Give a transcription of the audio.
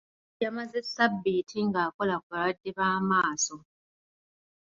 Yamaze ssabbiiti ng'akola ku balwadde b'amaaso.